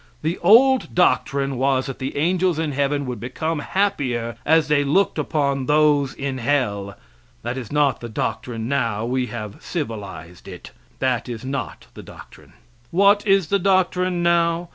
The old doctrine was that the angels in heaven would become happier as they looked upon those in hell. That is not the doctrine now; we have civilized it. That is not the doctrine. What is the doctrine now?